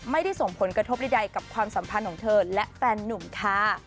ไม่ได้ส่งผลกระทบใดกับความสัมพันธ์ของเธอและแฟนนุ่มค่ะ